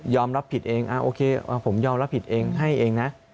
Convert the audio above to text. รับผิดเองโอเคผมยอมรับผิดเองให้เองนะ